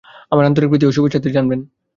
আমার আন্তরিক প্রীতি ও শুভেচ্ছাদি জানবেন।